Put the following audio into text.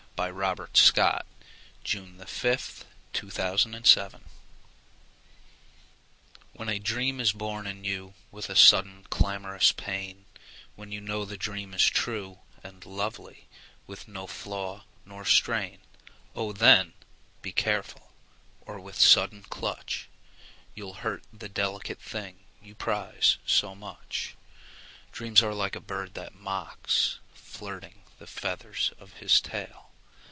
O P . Q R . S T . U V . W X . Y Z A Pinch of Salt WHEN a dream is born in you With a sudden clamorous pain, When you know the dream is true And lovely, with no flaw nor strain, O then, be careful, or with sudden clutch You'll hurt the delicate thing you prize so much. Dreams are like a bird that mocks, Flirting the feathers of his tail.